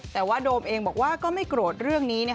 แต่ว่าโดมเองบอกว่าก็ไม่โกรธเรื่องนี้